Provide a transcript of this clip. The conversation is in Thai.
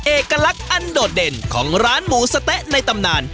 เอกลักษณ์อันโดดเด่นของร้านหมูสะเต๊ะในตำนาน